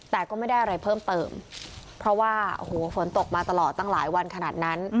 แต่ก็ไม่ได้อะไรเพิ่มเติมเพราะว่าโอ้โหฝนตกมาตลอดตั้งหลายวันขนาดนั้น